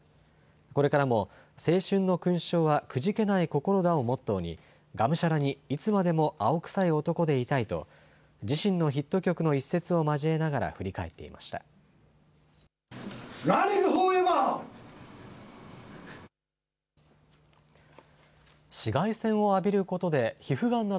これからも、青春の勲章はくじけない心だをモットーに、がむしゃらにいつまでも青臭い男でいたいと、自身のヒット曲の一節を交えながら振り返ランニングフォーエバー。